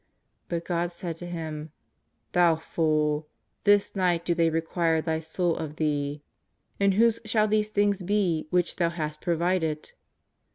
But God said to him: '^ Thou fool, this night do they require thy soul of thee, and whose shall those things be which thou hast pro vided